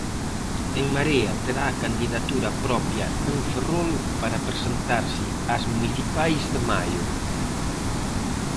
En Marea terá candidatura propia en Ferrol para presentarse as municipais de maio.